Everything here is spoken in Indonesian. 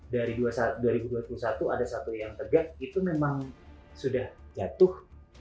dari dua ribu dua puluh satu ada satu yang tegak itu memang sudah jatuh